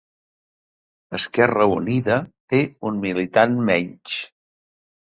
Esquerra Unida té un militant menys